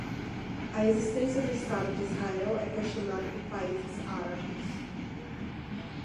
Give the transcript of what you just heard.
A existência do estado de Israel é questionada por países árabes